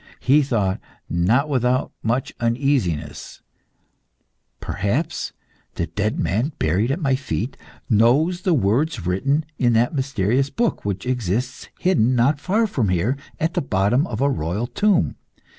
He thought not without much uneasiness "Perhaps the dead man buried at my feet knows the words written in that mysterious book which exists hidden, not far from here, at the bottom of a royal tomb.